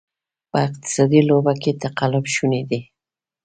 په اقتصادي لوبه کې تقلب شونې دی.